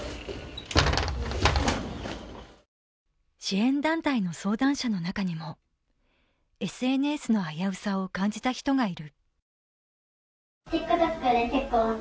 支援団体の相談者の中にもＳＮＳの危うさを感じた人がいる。